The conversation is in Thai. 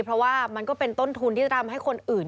เพราะว่ามันก็เป็นต้นทุนที่จะทำให้คนอื่น